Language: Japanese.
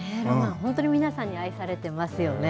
本当に皆さんに愛されてますよね。